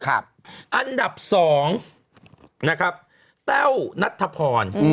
อันดับ๒นะครับแต้วนัทธพร